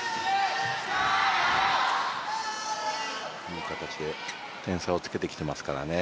いい形で点差をつけていますからね。